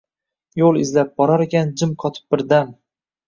Yo’l izlab borarkan, jim qotib bir dam